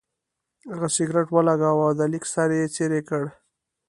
هغه سګرټ ولګاوه او د لیک سر یې څېرې کړ.